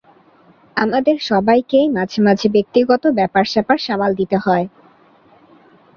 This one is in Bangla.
আমাদের সবাইকেই মাঝেমাঝে ব্যক্তিগত ব্যাপারস্যাপার সামাল দিতে হয়।